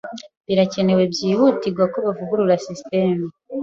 Birakenewe byihutirwa ko bavugurura sisitemu.